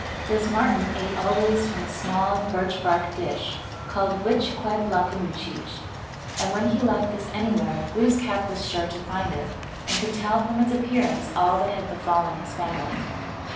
This Martin ate always from a small birch bark dish, called witch kwed lakun cheech (M.), and when he left this anywhere Gloos kap was sure to find it, and could tell from its ap pearance all that had befallen his family.